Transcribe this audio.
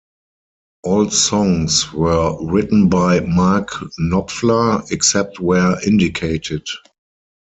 All songs were written by Mark Knopfler, except where indicated.